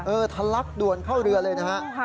เออทะลักด่วนเข้าเรือเลยนะครับ